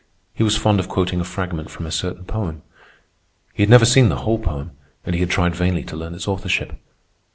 He was fond of quoting a fragment from a certain poem. He had never seen the whole poem, and he had tried vainly to learn its authorship.